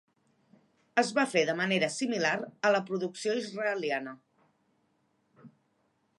Es va fer de manera similar a la producció israeliana.